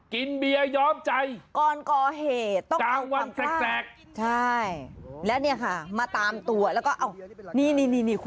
กินเบียร์ย้อมใจจ้างวันแสกต้องเอาความภาค